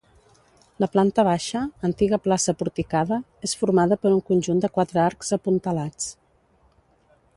La planta baixa, antiga Plaça Porticada, és formada per un conjunt de quatre arcs apuntalats.